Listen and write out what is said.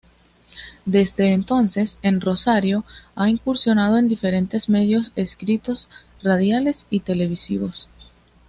Desde entonces, en Rosario, ha incursionado en diferentes medios escritos, radiales y televisivos.